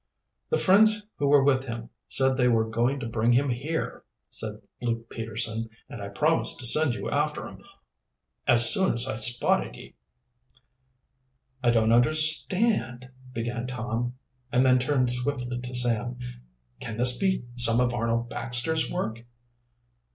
"The friends who were with him said they were going to bring him here," said Luke Peterson. "And I promised to send you after 'em as soon as I spotted ye." "I don't understand " began Tom, and then turned swiftly to Sam. "Can this be some of Arnold Baxter's work?"